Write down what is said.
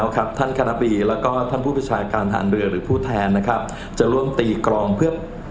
ท่านคณะปีแล้วก็ท่านผู้ประชาการทางเรือหรือผู้แทนนะครับจะร่วมตีกรองเพื่อ